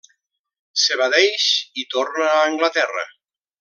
S'evadeix i torna a Anglaterra.